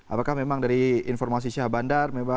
apakah memang dari informasi syah bandar